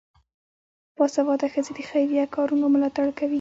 باسواده ښځې د خیریه کارونو ملاتړ کوي.